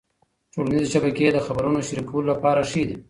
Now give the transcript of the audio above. ټولنيزې شبکې د خبرونو شریکولو لپاره ښې دي.